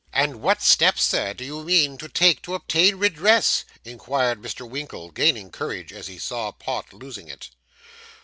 'And what steps, sir, do you mean to take to obtain redress?' inquired Mr. Winkle, gaining courage as he saw Pott losing it.